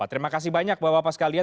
terima kasih banyak bapak bapak sekalian